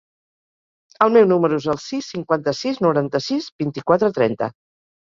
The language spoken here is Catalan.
El meu número es el sis, cinquanta-sis, noranta-sis, vint-i-quatre, trenta.